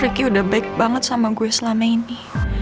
reky udah baik banget sama gue selama ini